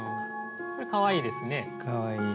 これかわいいですね。